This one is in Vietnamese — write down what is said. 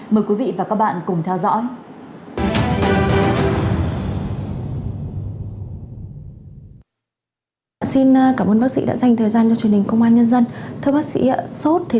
mời quý vị và các bạn cùng theo dõi